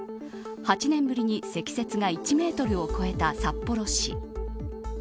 ８年ぶりに積雪が１メートルを超えた札幌市。